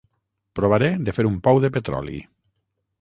Provaré de fer un pou de petroli.